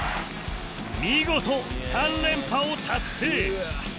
見事３連覇を達成！